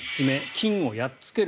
菌をやっつける。